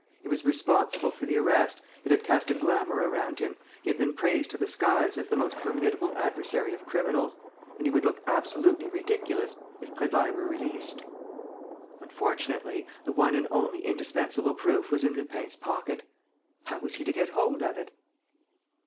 He was responsible for the arrest, it had cast a glamour around him, he had been praised to the skies as the most formidable adversary of criminals; and he would look absolutely ridiculous if Prévailles were released. Unfortunately, the one and only indispensable proof was in Lupin's pocket. How was he to get hold of it?